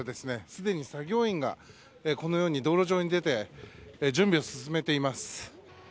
すでに作業員がこのように道路上に出て準備を進めています。